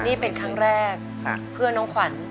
นี่เป็นครั้งแรกเพื่อนน้องขวัญ